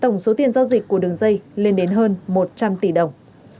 tổng số tiền giao dịch của đường dây lên đến hơn một trăm linh tỷ đồng